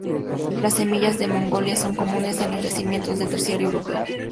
Las semillas de "Magnolia" son comunes en los yacimientos del Terciario europeo.